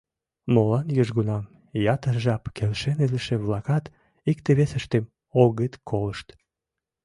Молан южгунам ятыр жап келшен илыше-влакат икте-весыштым огыт колышт?